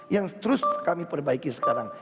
yang terus kami perbaiki sekarang